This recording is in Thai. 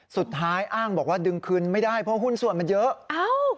สุดท้ายอ้างบอกว่าดึงคืนไม่ได้เพราะหุ้นส่วนมันเยอะ